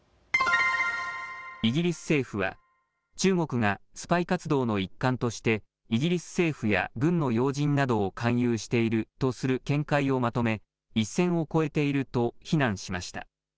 イギリス政府は中国がスパイ活動の一環としてイギリス政府や軍の要人などを勧誘しているとする見解をまとめ一線を越えていると非難しました。